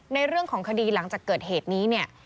ในเรื่องของคดีหลังจากเกิดเหตุนี้เนี่ย